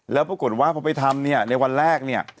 แล้วปรากฏว่าพอไปทำเนี่ยในวันแรกเนี่ย